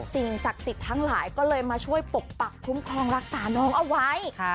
สิ่งศักดิ์สิทธิ์ทั้งหลายก็เลยมาช่วยปกปักคุ้มครองรักษาน้องเอาไว้